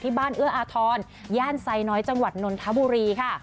บ้านเอื้ออาทรย่านไซน้อยจังหวัดนนทบุรีค่ะ